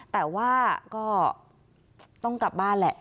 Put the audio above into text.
แต่ว่าก็ต้องกลับบ้านแหละ